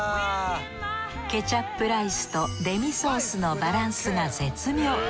ケチャップライスとデミソースのバランスが絶妙。